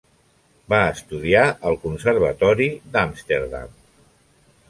Va estudiar al Conservatori d'Amsterdam.